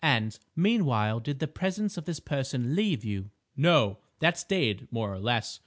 "And, meanwhile, did the presence of this person leave you?" "No; that stayed more or less.